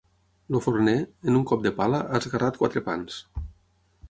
El forner, amb un cop de pala, ha esguerrat quatre pans.